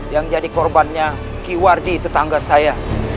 yang jadi korbannya kiwardi tetangga saya